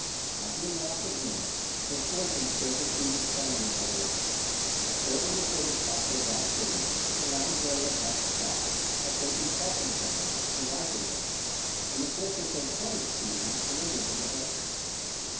After the loss of Mentz, misfortune still pursued the Spaniards on the Rhine. Shortly before the capture of that city, the Landgrave of Hesse Cassel had taken Falkenstein and Reifenberg, and the fortress of Koningstein surrendered to the Hessians.